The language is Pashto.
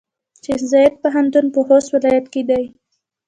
شیخزاید پوهنتون پۀ خوست ولایت کې دی.